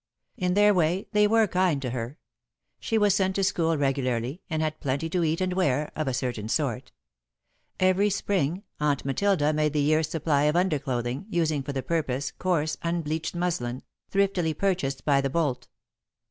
In their way, they were kind to her. She was sent to school regularly, and had plenty to eat and wear, of a certain sort. Every Spring, Aunt Matilda made the year's supply of underclothing, using for the purpose coarse, unbleached muslin, thriftily purchased by the bolt.